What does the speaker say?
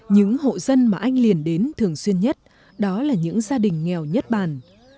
những hộ dân mà anh liền đến thường xuyên nhất đó là những gia đình nghèo nhất bàn